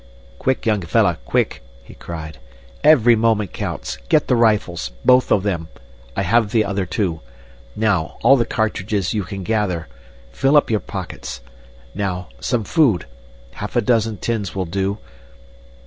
"Quick, young fellah! Quick!" he cried. "Every moment counts. Get the rifles, both of them. I have the other two. Now, all the cartridges you can gather. Fill up your pockets. Now, some food. Half a dozen tins will do.